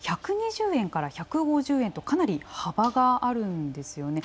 １２０円から１５０円とかなり幅があるんですよね。